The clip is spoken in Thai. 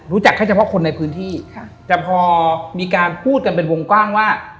รู้จักแค่เฉพาะคนในพื้นที่ค่ะแต่พอมีการพูดกันเป็นวงกว้างว่า